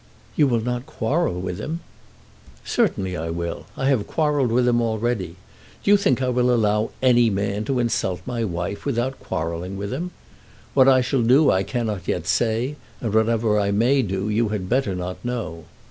"You will not quarrel with him?" "Certainly I will. I have quarrelled with him already. Do you think I will allow any man to insult my wife without quarrelling with him? What I shall do I cannot yet say, and whatever I may do, you had better not know.